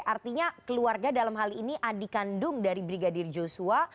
artinya keluarga dalam hal ini adik kandung dari brigadir joshua